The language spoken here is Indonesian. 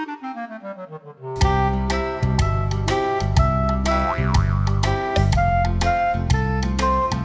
lo pikir masak gue jahat